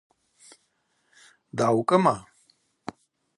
Дгӏаукӏыма?